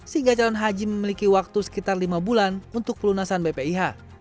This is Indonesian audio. sehingga calon haji memiliki waktu sekitar lima bulan untuk pelunasan bpih